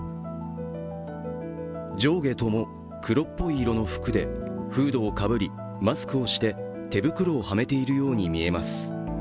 上下とも黒っぽい色の服でフードをかぶりマスクをして手袋をはめているように見えます。